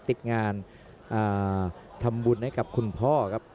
ติดงานทำบุญให้กับคุณพ่อครับ